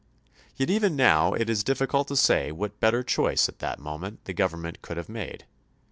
Yet even now it is difficult to say what better choice at that moment the Government could have made.